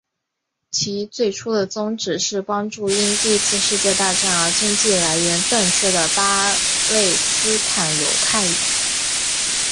其最初的宗旨是帮助因第一次世界大战而经济来源断绝的巴勒斯坦犹太人。